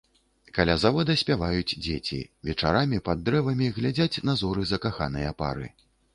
Каля завода спяваюць дзеці, вечарамі пад дрэвамі глядзяць на зоры закаханыя пары.